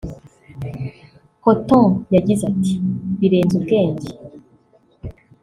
Cotton yagize ati "Birenze ubwenge